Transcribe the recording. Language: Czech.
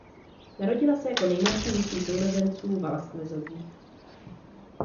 Narodila se jako nejmladší ze tří sourozenců Velásquezových.